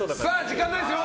時間ないですよ。